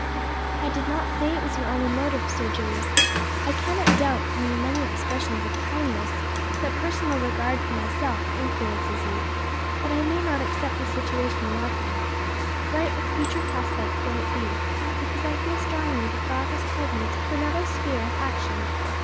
"I did not say it was your only motive, Sir James. I cannot doubt, from your many expressions of kindness, that personal regard for myself influences you; but I may not accept the situation you offer me bright with future prospects though it be because I feel strongly that God has called me to another sphere of action.